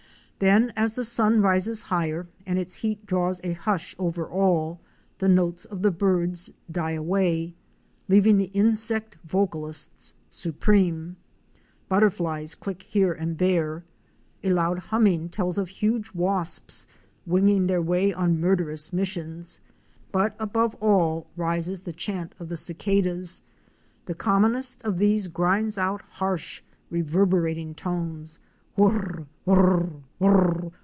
Then, as the sun rises higher and its heat draws a hush over all, the notes of the birds die away, leaving the insect vocalists supreme. Butterflies click here and there, a loud humming tells of huge wasps winging their way on murderous missions, but above all rises the chant of the cicadas. The commonest of these grinds out harsh, reverberating tones — whir r r r r r!